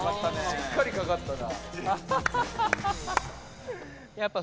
しっかりかかったな。